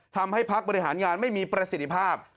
ทำให้พักบริหารงานไม่มีประสิทธิภาพ